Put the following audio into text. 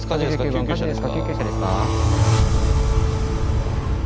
救急ですか？